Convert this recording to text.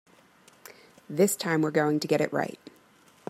This time we're going to get it right.